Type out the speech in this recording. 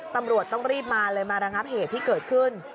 ตำรวจต้องรีบมาเลยมาระงับเหตุที่เกิดขึ้น